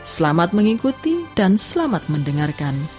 selamat mengikuti dan selamat mendengarkan